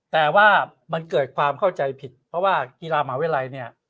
แต่ว่ามันเกิดความเข้าใจผิดเพราะว่ากีฬามหาวิทยาลัยเนี่ย